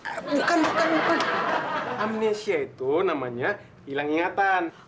bukan bukan amnesia itu namanya hilang ingatan